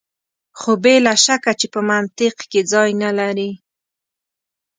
خو بې له شکه چې په منطق کې ځای نه لري.